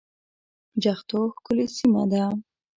جغتو ښکلې سيمه ده